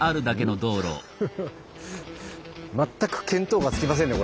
全く見当がつきませんね